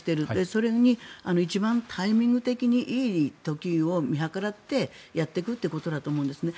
それに一番タイミング的にいい時を見計らってやっていくということだと思うんですね。